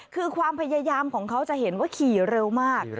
คือความพยายามของเขาจะเห็นว่าขี่เร็วมาก